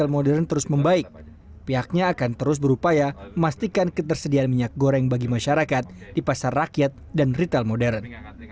menteri perdagangan akan terus berupaya memastikan ketersediaan minyak goreng bagi masyarakat di pasar rakyat dan retail modern